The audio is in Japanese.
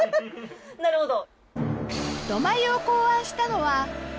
なるほど。